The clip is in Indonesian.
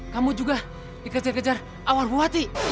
kamu juga dikejar kejar awal bu wati